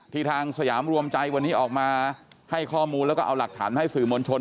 ทางสยามรวมใจวันนี้ออกมาให้ข้อมูลแล้วก็เอาหลักฐานมาให้สื่อมวลชน